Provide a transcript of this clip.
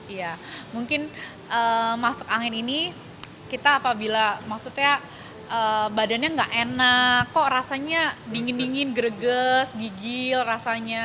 iya mungkin masuk angin ini kita apabila maksudnya badannya nggak enak kok rasanya dingin dingin greges gigil rasanya